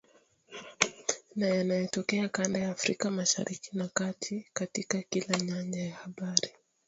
na yanayotokea kanda ya Afrika Mashariki na Kati, katika kila nyanja ya habari